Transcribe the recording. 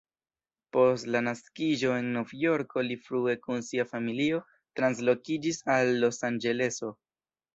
Post la naskiĝo en Novjorko, li frue kun sia familio translokiĝis al Los-Anĝeleso.